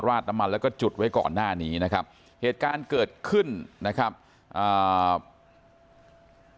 ดน้ำมันแล้วก็จุดไว้ก่อนหน้านี้นะครับเหตุการณ์เกิดขึ้นนะครับอ่า